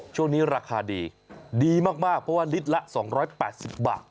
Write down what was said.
ช่วงนี้ราคาดีดีมากเพราะว่าลิตรละ๒๘๐บาท